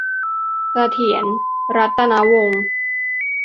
เสถียร รัตนวงศ์